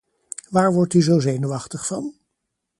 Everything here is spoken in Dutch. Waar wordt u zo zenuwachtig van?